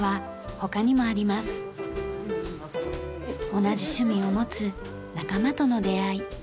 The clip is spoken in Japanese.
同じ趣味を持つ仲間との出会い。